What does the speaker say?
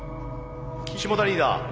霜田リーダー